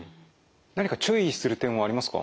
何か注意する点はありますか？